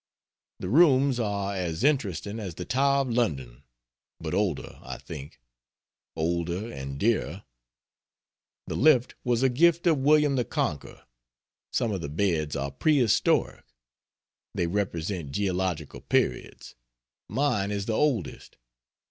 The rooms are as interesting as the Tower of London, but older I think. Older and dearer. The lift was a gift of William the Conqueror, some of the beds are prehistoric. They represent geological periods. Mine is the oldest.